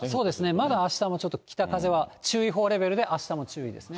まだあしたもちょっと北風は、注意報レベルであしたも注意ですね。